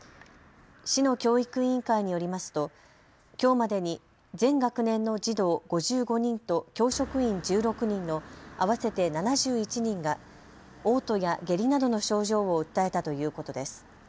市の教育委員会によりますときょうまでに全学年の児童５５人と教職員１６人の合わせて７１人がおう吐や下痢などの症状を訴えたということです。